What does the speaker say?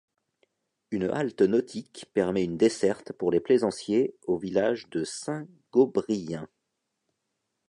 Une halte nautique permet une desserte pour les plaisanciers au village de Saint-Gobrien.